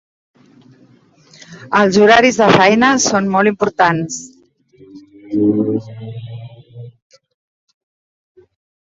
Els horaris de feina són molt importants.